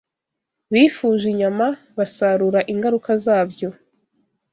Bifuje inyama, basarura ingaruka zabyo.